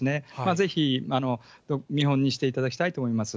ぜひ見本にしていただきたいと思います。